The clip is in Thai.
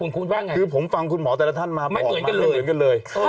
คือผมฟังคุณหมอแต่ละท่านมาบอกมาเหมือนกันเลย